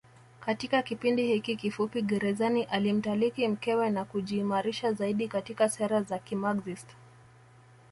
Katika kipindi hiki kifupi gerezani alimtaliki mkewe na kujiimarisha zaidi katika sera za kimaxist